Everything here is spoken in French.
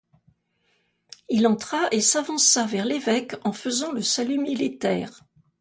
Il entra et s'avança vers l'évêque en faisant le salut militaire.